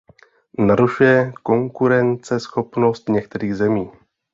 Narušuje konkurenceschopnost některých zemí.